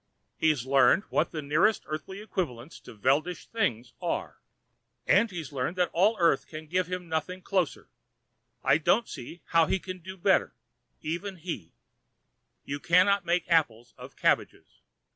He's learned what the nearest Earthly equivalents to Veldish things are. And he's learned that all Earth can give him nothing closer. I don't see how he could do better. Even he. You cannot make apples of cabbages.